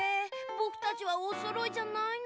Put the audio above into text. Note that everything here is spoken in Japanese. ぼくたちはおそろいじゃないのだ。